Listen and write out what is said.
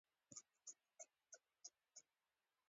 هغه یې وویل بیا بېرته ژر کوټې ته راشه.